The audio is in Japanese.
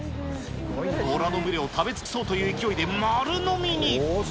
ボラの群れを食べ尽くそうという勢いで丸のみに。